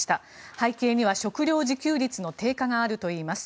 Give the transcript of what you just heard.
背景には食料自給率の低下があるといいます。